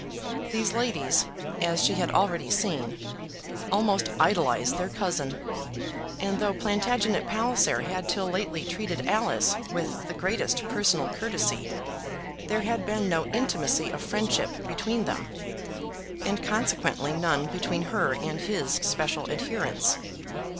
These ladies, as she had already seen, almost idolized their cousin; and though Plantagenet Palliser had till lately treated Alice with the greatest personal courtesy, there had been no intimacy of friendship between them, and consequently none between her and his special adherents.